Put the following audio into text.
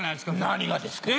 何がですか？